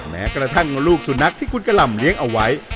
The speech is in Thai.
แม้กระทั่งลูกสุนัขที่คุณกะหล่ำเลี้ยงเอาไว้